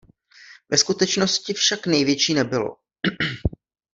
Ve skutečnosti však největší nebylo.